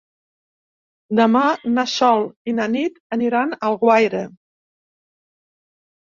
Demà na Sol i na Nit aniran a Alguaire.